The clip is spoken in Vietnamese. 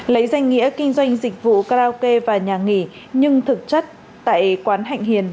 lấy danh nghĩa kinh doanh dịch vụ karaoke và nhà nghỉ nhưng thực chất tại quán hạnh hiền